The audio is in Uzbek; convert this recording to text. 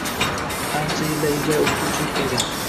Ancha yillar ilgari o‘qituvchilik qilgan.